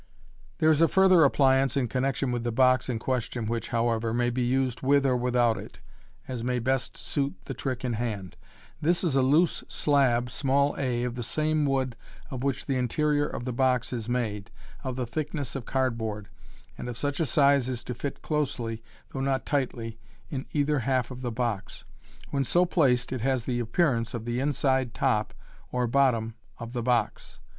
There is a further appliance in connection with the box in ques tion, which, however, may be used with or without it, as may best suit the trick in hand. This is a loose slab, a, of the same wood of which the interior of the box is made, of the thickness of card board, and of such a size as to fit closely, though not tightly, in either half of the box. When so placed, it has the appearance of the inside top or bottom of the box.